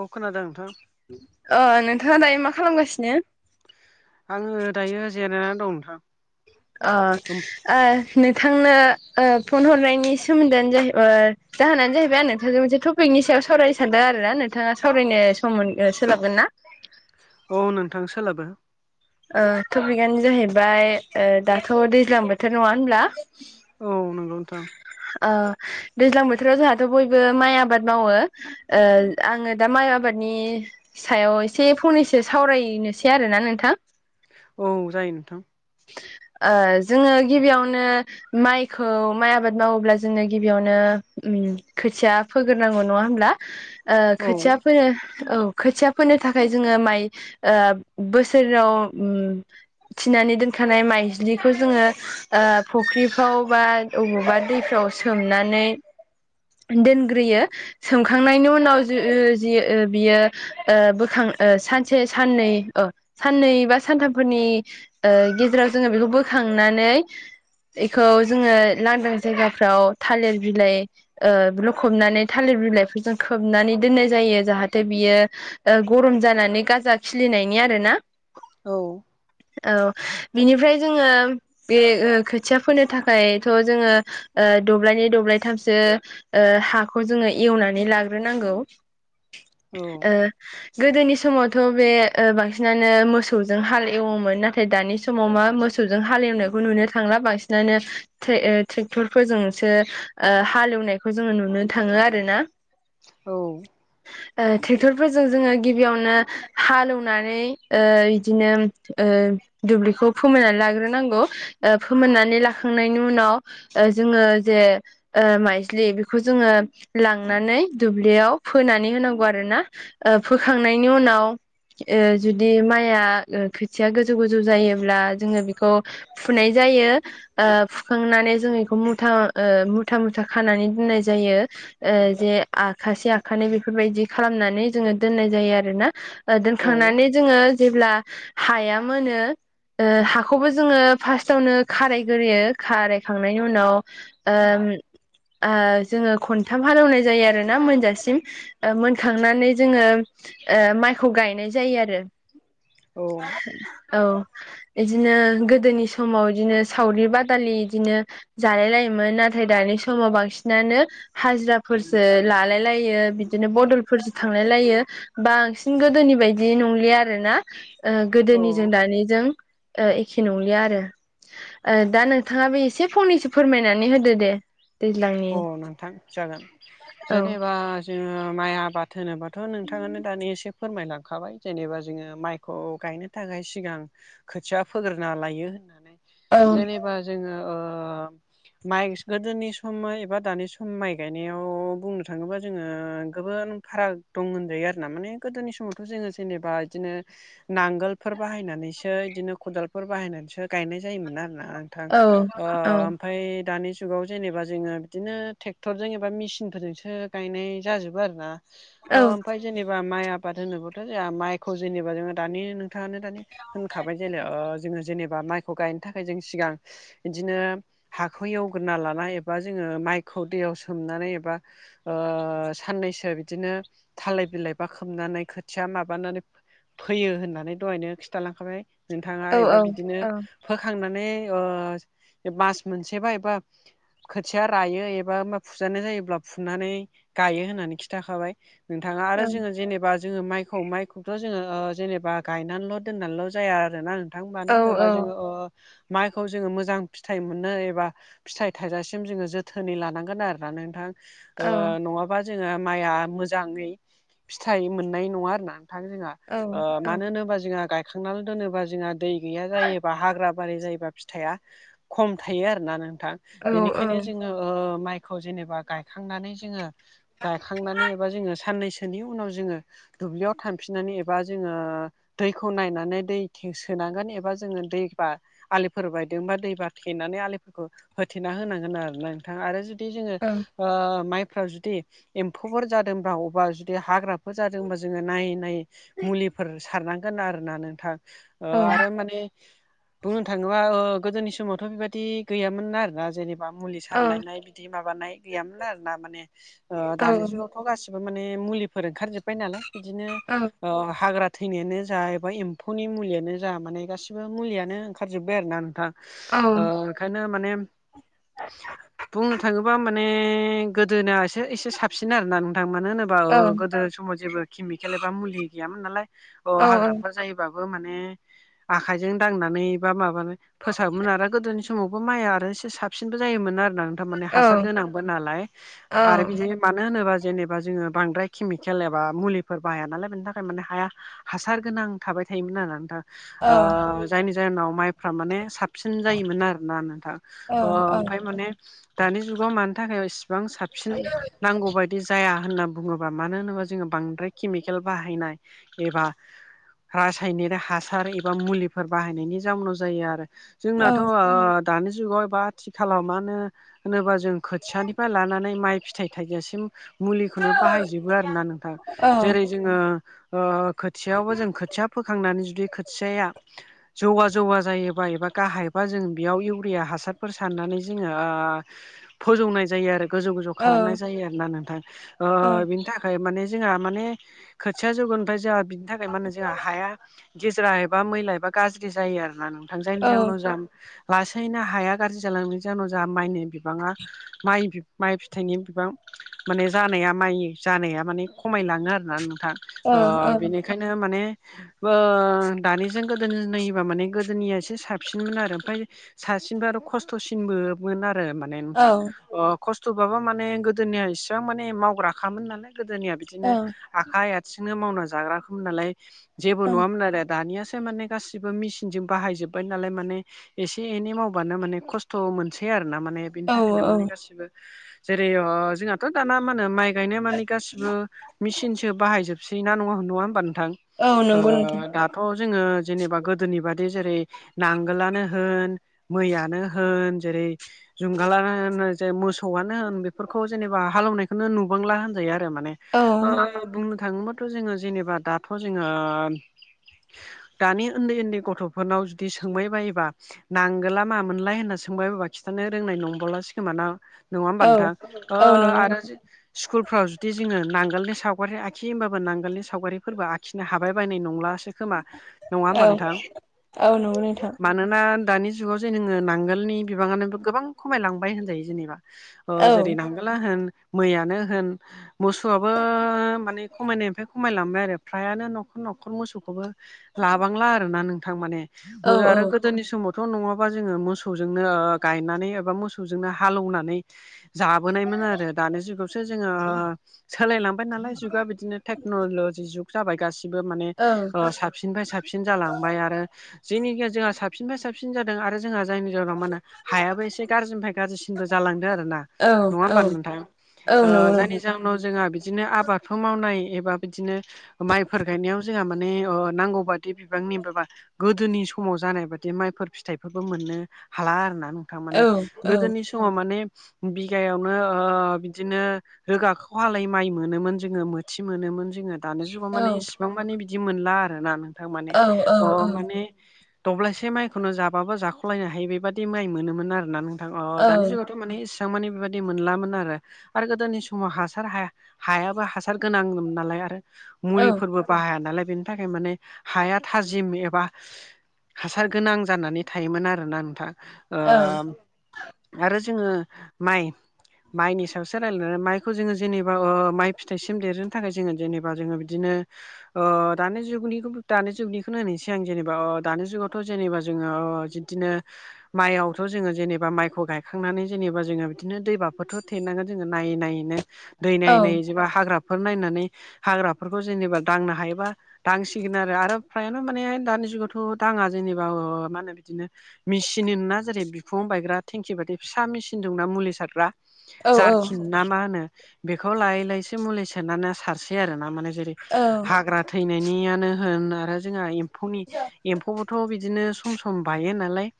औ खोनादों नोंथां ओ नोंथाङा दायो मा खालामगासिनो? आङो दायो जेनायनानै दं नोंथां अ ओ नोंथांनो ओ फन हरनायनि सोमोन्दो आनो जाहै [unintelligible] जाहोनानो जाहैबाय आं नोंथांजों मोनसे टपिकनि सायाव सावरायो सानदों आरो ना नोंथाङा सावरायनो सम मोन ओ सोलाबगोन ना? औ नोंथां सोलाबो ओ टपिकआनो जाहैबाय ओ दाथ' दैज्लां बोथोर नङा होनब्ला औ नोंगौ नोंथां ओ दैज्लां बोथोराव जोंहाथ' बयबो माइ आबाद मावो ओ आङो दा माइ आबादनि फिसायाव एसे फंनैसो सावरायनोसै आरोना नोंथां औ जायो नोंथां ओ जोङो गिबियावनो माइख खौ माइ आबाद मावोब्ला जोङो गिबियावनो उम खोथिया फोग्रोनांगौ नङा होमब्ला ओ औ खोथियाफोयो औ खोथिया फोनो थाखाय जोङो माइ ओ बोसोराव उम थिनानै दोनखानाय माइज्लिखौ जोङो ओ फुख्रिफ्राव बा अबावबा दैफ्राव सोमनानै दोनग्रोयो सोमखांनायनि उनाव जि [unintelligible] बियो ओ बोखां ओ सानसे साननै अ साननै बा सानथामफोरनि ओ गेजेराव जोङो बेखौ बोखांनानै इखौ जोङो लांदां जायगाफ्राव थालिर बिलाइ ओ लखबनानै थालिर बिलाइफोरजों खोबनानै दोननाय जायो जाहाथे बियो ओ गरम जानानै गाजा खिलिनायनि आरो ना औ औ बिनिफ्राय जोङो बे ओ खोथिया फोनो थाख खायथ' जोङो ओ दब्लायनै दब्लायथामसो ओ हाखौ जोङो एवनानै लाग्रोनांगौ औ गोदोनि समावथ' बे ओ बांसिनानो मोसौजों हाल एवोमोन नाथाय दानि समाव मा मोसौजों हालेवनायखौ नुनो थांला बांसिनानो ट्रेए ट्रेक्टर फोरजोंसो ओ हालेवनायखौ जोङो नुनो थाङो आरो ना [inaudible] औ [unintelligible] ओ ट्रेक्टरफोरजों जोङो गिबियावनो हालोवनानै ओ इदिनो ओ दुब्लिखौ फोमोननानै लाग्रोनांगौ ओ फोमोननानै लाखा खांनायनि उनाव ओ जोङो जे ओ माइज्लि बिखौ जोङो लांनानै दुब्लियाव फोनानै होनांगौ आरोना ओ फोखांनायनि उनाव ओ जुदि माइआ ओ खोथिया गोजौ गोजौ जायोब्ला जोङो बिखौ फुनाय जायो ओ फुखांनानै जों एखौ मुथा ओ मुथा मुथा खानानै दोननाय जायो ओ जे आखाासे आखानै बेफोरबायदि खालामनानै जोङो दोननाय जायो आरो ना ओ औ दोनखांनानै जोङो जेब्ला हाया मोनो ओ हाखौबो जोङो फार्स्टावनो खारायग्रोयो खारायखांनायनि उनाव जोङो खन्थाम हालेवनाय जायो आरोना मोनजासिम मोनखांनानै जोङो माइखौ गायनाय जायो आरो औ औ बिदिनो गोदोनि समाव बिदिनो सावरि बादालि बिदिनो जालाय लायोमोन नाथाय दानि समाव बांसिनानो हाजिराफोरसो लालाय लायो बिदिनो बदलफोरजों थांलायलायो ब बांसिन गोदोनि बायदि नंलिया आर ना औ गोदोनिजों दानिजों एखे नंलिया आरो दा नोंथाङाबो एसे फंनैसो फोरमायनानै होदो दे दैज्लांनि अ नोंथां जागोन औ जेनेबा जोङो माइ आबाद होनोनोबाथ' नोंथाङानो दानि एसे फोरमायलांखाबाय जेनेबा जोङो माइखौ गायनो थाखाय सिगां खोथिया फोग्रोना लायो होननानै औ जेनेबा जोङो माइ गोदोनि सम एबा दानि सम माइ गायनायाव बुंनो थाङोबा जोङो गोबां फाराग दं होनजायो आरो ना माने गोदोनि समावथ' जोङो जेनेबा बिदिनो नांगोलफोर बाहायनानैसो बिदिनो खदालफोर बाहायनानैसो गायनाय जायोमोन आरोना औ ओ औ दानि जुगाव जेनेबा जोङो बिदिनो ट्रेक्टर ज एबा मेसिन फोरजोंसो गायनाय जाजोबो आरोना औ ओमफ्राय जेनेबा माइ आबाद होनोब्लाथ' जोंहा माइखौ जेनेबा जोङो दानि नथाङानो दानि होनखाबाय जे जोङो जेनेबा माइ गायनो थाखाय जों सिगां बिदिनो हखौ एवग्रा लानाया एबा बा जोङो माइखौ दैयाव सोमनानै एबा साननैसो बिदिनो थालाय बिलाइ बा खोमनानै खोथिया माबानानै फैयो होननानै दहायनो खिन्थालांखाबाय नोंथाङा औ एबा बिदिनो औ फोखांनानै मास मोनसेबा एबा खोथिया रायो एबा मा फुजानाय जायोब्ला फुनानै गायो होननानै खिन्थाखाबाय नोंथाङा आरो जोङो जेनेबा जोङो माइखौ माइखौथ' जोङो जेनेबा गायनानैल' दोननानैल' जाया आरोना औ मानो होनोबा जोङो माइखौ जोङो मोजां फिथ मोननो एबा फिथाय थाइजासे जोथोनै लानांगोन आरो ना औ नङाबा मा जोङो माइआ मोजाङै फिथाइ मोननाय नङा आरो ना नोंथां जोंहा मानो होनबा जोंहा गाय खांनानै दोनोबा जोंहा दै गैया जायोबा हाग्रा बारि जायोबा फिथाइआ खम थायो आरोना नोंथां बेनिखायनो जोङो माइखौ जेनेबा गायखांनानै जोङो गायखांनानै एबा जोङो साननैसोनि उनाव जोङो दुब्लियाव थांफिननानै एबा जोङो दैखौ नायनानै दै थि सोनांगोन एबा जोङो दैबा आलिफोर बायदोंबा दैबा थेनानै आलिफोरखौ हो थेना होनांगोन आरोना नोंथांा आरो जुदि जोङो औ माइफ्राव जुदि एम्फौफोर जादोंबा अबेबा जुदि हाग्राफोर जादोंबा जोङो नायै नायै मुलिफोर सारनांगोन आरोना नोंथां औ आरो माने बुंनो थाङोबा गोदोनि समावथ' बेबायदि गैयामोनना आरो दा जेनेबा मुलि सारलायनाय बिदि माबानाय गैयामोन आर ना माने दानि जुगाव ' गासिबो माने मुलिफोर ओंखारजोबबाय नालाय बिदिनो हाग्रा थैनायानो जा एबा एम्फौनि मुलियानो जा माने गासिबो मुलियानो ओंखारजोबबाय आरो ना नोंथां आखायनो माने बुंनो थाङोब्ला माने गोदोनाया एसे एसे साबसिन आरोना नोंथां मानो होनोब्ला गोदो समाव जेबो केमिकेल एबा मुलि गैयामोन नालाय हाग्राफोर ज माने आखायजों दांनानै बा माब फोसाबोन आरो गोदोनि समावबो माइआ आरो एसे साबसिनबो जायोमोन आरोना थारमाने हासार गोनांबो नालाय आरो बिदिनो मानो होनोबा जेनेबा जोङो बांद्राय केमिकेल एबा मुलिफोर बाहाया नालाय बेनि थाखाय माने हाया हासार गोनां थाबाय थायोमोन आरो नोंथां जायनि जाहोनाव माइफ्रा माने साबसिन जायोमोन आरोना नोंथां अ ओमफाय माने दानि जुगाव मानि थाखाय इसिबां साबसिन नांगौ बायदि जाया होनना बुङोब्ला मानो होनोबा जोङो बांद्राय केमिकेल बाहायनाय एबा रासायनिक हासार एबा मुलिफोर बाहायनायनि जाउनाव जायो आरो जोंनाथ' दानि जुगाव एबा आथि खाला मानो होनोबा जों खोथियानिफाय लानानै माइ फिथाइ थाइगासिम मुलिखोनो बाहायजोबो आरोना नोंथां जेरै जोङो ओ खोथियायावबो जों खोथिया फोखांनानै जुदि खोथियाया जौवा-जौवा जायोबा एबा गाहायबा जों बेयाव इउरिया हासार फोर साननानै जोङो ओ फोजौनाय जायो आरो गोजौ-गोजौ खालामनाय जायो आरो ना नोंथां ओ बिनि था माने जोंहा माने खोथिया जौगोनफाय जोंहा बिनि थाखाय मा होनो जोंहा हाया गिजिरा एबा मैला एबा गाज्रि जायो आरोना नोंथां जायनि जाउनाव जा लासैनो हाया गाज्रि जालांनायनि जाउनाव जाहा माइनि बिबाङा माइबि माइ फिथाइनि बिबां माने जानाया माइ जानाया माने खमायलाङो आरो ना नोंथां ओ बेनि बिखायनो माने बो दानिजों गोदोनि नायोबा माने गोदोनियासो साबसिनमोन आरो ओमफाय सासिनबो आरो खस्थ'सिनबोमोन आरो माने नोंथां अ खस्थ'बाबो माने गोदोनिया इसिबां माने मावग्राखामोन नालाय गोदोनिया बिदिनो आखाइ आथिंनो मावना जाग्राखामोन नालाय जेबो नुवामोन आरो दानियासो माने गासिबो मेसिनजों बाहायजोबबाय नालाय माने एसे एनै मावबानो माने खस्थ' मोनसै आरो ना माने बिनि औ थाखायनो माने औ गासिबो जेरै अ जोंहाथ' दाना मानो माइ गायनाय माने गासिबो मेसिनसो बाहायजोब सै ना नङा-नङा होमबा नोंथां औ ओ नंगौ नोंथां दा थ' जोङो जेनेबा गोदोनि बादि जेरै नांगोलानो होन मैयानो हो होन जेरै जुंगालानो जे मोसौआनो होन बेफोरखौ जेनेबा हालौनायखोनो नुबांला होनजायो आरो माने औ ओ बुंनो थाङोबाथ' जोङो जेनेबा दाथ' जोङो ओ दानि उन्दै उन्दै गथ'फोरनाव जुदि सोंबाय बायोबा नांगोला मा मोनलाय होन सोंबाय बायबा खिथानो रोंनाय नंबलासो खोमा ना नङा ओमबा नोंथां औ ओ औ नंगौ आरो नोंथां जों स्कुलफ्राव जुदि जोङो नांगोलनि सावगारि आखि होमबाबो नांगोलनि सावगारिफोरबो आखिनो हाबाय बायनाय नंलासो खोमा नङा ओमबा औ नोंथां औ नंगौ नोंथां मानोना दानि जुगाव जे नोङो नांगोल नि बिबांआनो गोबां खमायलांबाय होनजायो औ जेरै नांगोल ला होन मैयानो होन मोसौआबो माने खमायनायनिफ्राय खमायलांबाय आरो फ्रायानो न'खर न'खर मोसौखौबो लाबांला आरोना नोंथां माने मो औ औ आरो गोदोनि समावथ' नङाबा जोङो मोसौ जोंनो गायनानै एबा मोसौजोंनो हालौनानै जाबोनायमोन आरो दानि जुगावसो जोङो ओ सोलायलांबाय नालाय जुगा बिदिनो टेक्न'लजि जुग जाबाय गासिबो माने औ ओ सा सिनफाय साबसिन जालांबाय आरो जेनिखिया जोंहा साबसिननिफाय साबसिन जादों आरो जोंहा जायनि जाउनाव मानो हायाबो एसे गारजिनिफाय गारजिसिनबो जालांदो आरो ना औ नङा औ होमबा नोंथां औ ओ नंगौ जायनि नोंथां जाउनाव जोंहा बिदिनो आबादखौ मावनाय एबा बिदिनो माइफोर गायनायाव जोंहा माने ओ नांगौ बादि बिबांनि बाबा गोदोनि समाव जानाय बादि माइफोर फिथाइफोरबो मोननो हाला आरो ना नोंथां औ माने औ गोदोनि समाव माने बिगायावनो ओ बिदिनो रोगाख'हालै माइ मोनोमोन जोङो मोथि मोनोमोन जोङो दानो जुगाव माने औ इसिबां माने बिदि मोनला आरोना नोंथां माने औ अ औ माने दब्लायसे माइखौनो जाबाबो जाख'लायनो हायि बेबादि माइ मोनोमोन आरो ना नोंथां अ दानि जुगाव माने इसां माने बेबादि मोनलामोन आरो आरो गोदोनि समाव हासार हाया हायाबो हासार गोनांमोन नालाय आरो मुलिफोरबो बाहाया नालाय बेनि थाखाय माने हाया थाजिम एबा हासार गोनां जानानै थायोमोन आरोना नोंथां ओ आरो जोङो माइ माइनि सायावसो रायलन माइखौ जोङो जेनेबा ओ माइ फिथाइसिम देरहोनो थाखाय जोङो जेनेबा जोङो बिदिनो ओ दानि जुगनि खोबो दानि जुगनिखो नायनोसै आं जेनेबा ओ दानि जुगावथ' जेनेबा जोङो ओ जि बिदिनो माइआवथ' जोङो जेनेबा माइखौ गायखांनानै जेनेबा जोङो बिदिनो दैबाफोरथ' थेनांगोन जोङो नायै नायैनो दै नायै नायै जेबा हाग्राफोर नायनानै हाग्राफोरखौ जेनेबा दांनो हायोबा दांसिगोन आरो आरो फ्रायानो माने दानि जुगावथ' दाङा जेनेबा मा होनो बिदिनो मेसिना जेरै बिफां बायग्रा थटेंखि बायि फिसा मेसिन दंना मुलि सारग्रा जारखिन औ ना मा होनो बेखौ लायै लैै मुलि सेरनानै सारसै आरो ना माने जेरै हाग्रा थैनायनियानो होन आरो जोंहा एम्फौनि एम्फौबोथ' बिदिनो सम सम बायो नालाय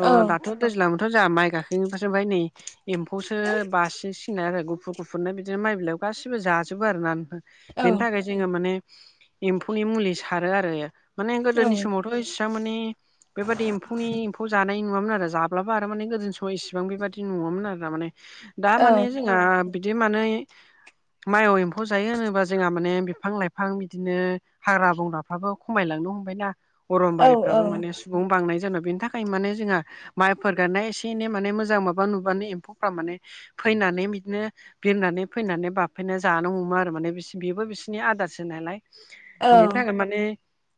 अ दाथ' दैज्लांथ' जोंहा माइ गाखोनिसो फ्राय नै एम्फौसो बासिन सिन आरो गुफुर गुफुरनो बिदिनो माइ बिलाइआव गासिबो जाजोबो आर ना नोंथां। बेनि थाखाय जोङो माने एम्फौनि मुलि सारो आरो माने गोदोनि समावथ' बिथांमाने बेबादि एम्फौनि एम्फौ जानायनि नुवामोन आरो जाब्लाबा आरो माने गोदोनि समाव इसेबां बेबायादि नुङामोन आरो माने दा माने जोंहा बिदि माने माइआव एम्फौ जायो होनोबा जोंहा माने बिफां लाइफां बिदिनो हाग्रा बंग्राफ्राबो खमायलांनो हमबायना अरमबारिफ्राबो माने सुबुं बांनाय जान बेनि थाखाय माने जोंहा माइफोर गाननाया एसे एनै माने मोजां माबा नुबानो एम्फौफ्रा माने फैनानै बिदिनो बिरनानै फैनानै बाबफैनानै जानो हमो आरो माने बिसनि बेबो बिसिोरनि आदारसो नालाय बेनि थाखाय माने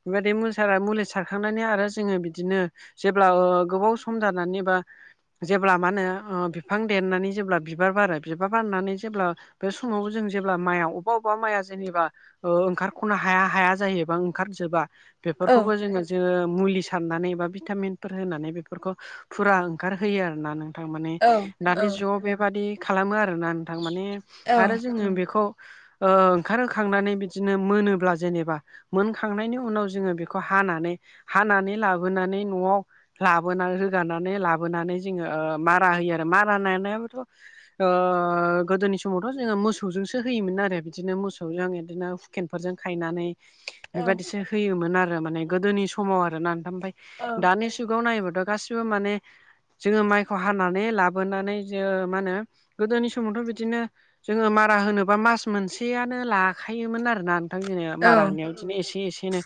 बेबाददि मस मुलि सारखांनानै आरो जोङो बिदिनो जेब्ला गोबाव सम जानानै बा जेब्ला मा होनो बिफां देरनानै जेब्ला बिबार बारो बिबार बारनानै जेब्ला बे समाव जों जेब्ला माइया अबेबा अबेबा माइया जेनेबा ओंखारख'नो हाया हाया जायोबा ओंखार जोबा बेफोरखौबो जोङो जोङ मुलि सारनानै एबा भिटामिनफोर होनानै बेफोरखौ फुरा ओंखारहोयो आर नों थां माने औ औ दानि ज' बेबादि खालामो आरोना थां माने आरो औ जोङो बेखौ ओंखारहोखांनानै बिदिनो मोनोब्ला जेनेबा मोनखांनायनि उनाव जोङो बेखौ हानानै हानानै लाबोनानै न'आव लाबोना रोगानानै लाबोनानै जोङो मारा होयो आरो मारा नायानायाबोथ' गोदोनि समावथ' जोङो मोसौजोंसो होयोमोन आरो बिदिनो मोसौजों आङ बिदिनो केनफोरजों खायनानै [unintelligible] बेबायदिसो होयोमोन आरो माने गोदोनि समाव आरोनाथ ओमफ्राय औ दानि जुगाव नायबोथ' गासिबो माने जोङो माइखौ हानानै लाबोनानै जो मा होनो गोदोनि समावथ' बिदिनो जोङो मारा होनोबा मास मोनसेयानो लाखायोमोन आरोना दिनो मारा औ होननायाव बिदिनो एसे एसेनो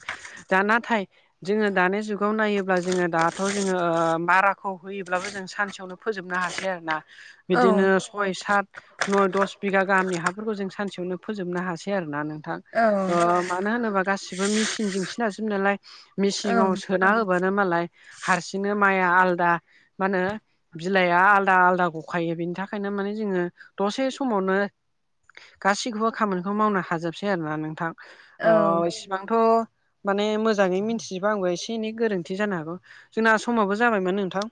दा नाथाय जोङो दानि जु गुखौ नायोब्ला जोङो दाथ' जोङो ओ माराखौ होयोब्लाबो जों सानसेयावनो फोजोबनो हासै आरो ना बिदिनो औ सय सात नय दस बिगा गाहामनि हाफोरखौ जों सानसेयावनो फोजोबनो हासै आरो ना नोंथां। ओ औ मानो होनोबा गासिबो मेसिनजोंसो नाजोबनायालाय मेसिनाव सोना होबानो मालाय हारसिंनो माइआ आलदा मा होनो बिलाइआ आलादा आलादा गखायो बेनि थाखायनो माने जोङो दसे समावनो गासैखौबो खामानिखौ मावनो हाजोबसै आरोना नोंथां अ इसिबांथ' माने मोजाङै मिथिजोबा आंबो एसे एसे एनै गोरोन्थि जानो हागौ जोंना समाबो जाबायमोन नोंथां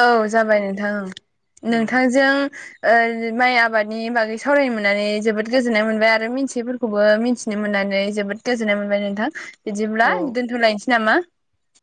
औ जाबाय नोंथां औ नोंथांजों ओ माइ आबादनि बागै सावरायनो मोननानै जोबोद गोजोननाय मोनबाय आरो मिन्थिफोरखौबो मिथि नो मोननानै जोबोद गोजोननाय मोनबाय नोंथां बिदिब्ला औ दोन्थ'लायनोसै नामा